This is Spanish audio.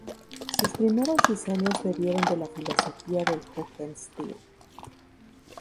Sus primeros diseños bebieron de la filosofía del Jugendstil.